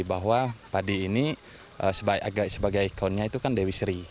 bahwa padi ini sebagai ikonnya itu kan dewi sri